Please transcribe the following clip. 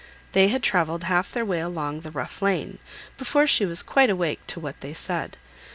They had travelled half their way along the rough lane, before she was quite awake to what they said.